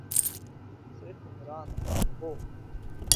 صرف عمران خان ہوں۔